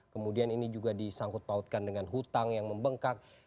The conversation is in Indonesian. kemudian ini juga disangkut pautkan dengan hutang yang membengkak